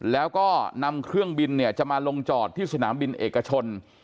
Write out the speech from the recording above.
แล้วก็นำเครื่องบินจะมาลงจอดที่สนามบินเอกชน